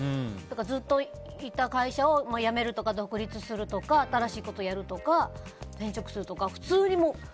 ずっといた会社を辞めるとか、独立するとか新しいことをやるとか転職するとか普通にもう。